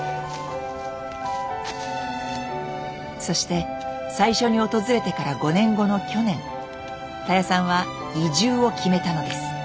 そして最初に訪れてから５年後の去年たやさんは移住を決めたのです。